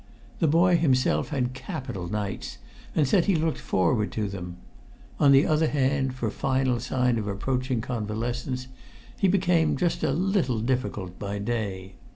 The boy himself had capital nights, and said he looked forward to them; on the other hand, for final sign of approaching convalescence, he became just a little difficult by day.